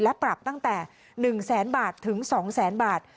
และปรับตั้งแต่๑๐๐๐๐๐บาทถึง๒๐๐๐๐๐บาท